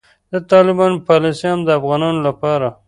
د طالبانو پالیسي هم د افغانانو لپاره